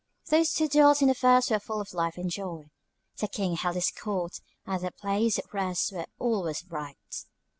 Those who dwelt in the first were full of life and joy. The King held his court at the Place of Rest where all was bright.